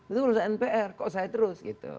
itu urusan mpr kok saya terus gitu